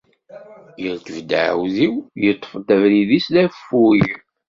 Irkeb-d aεudiw, yeṭṭef-d abrid-is d aﬀug.